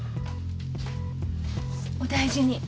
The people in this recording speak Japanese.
お大事に。